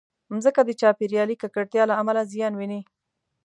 مځکه د چاپېریالي ککړتیا له امله زیان ویني.